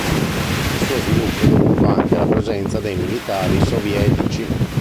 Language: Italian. Il suo sviluppo è dovuto anche alla presenza dei militari sovietici.